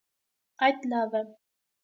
- Այդ լավ է: